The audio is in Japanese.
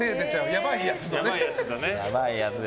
やばいやつだな。